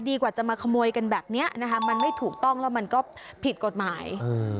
ดีกว่าจะมาขโมยกันแบบเนี้ยนะคะมันไม่ถูกต้องแล้วมันก็ผิดกฎหมายอืม